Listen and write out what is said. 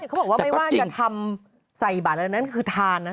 เขาบอกว่าไม่ว่าจะทำใส่บาทอะไรนั้นคือทานนะ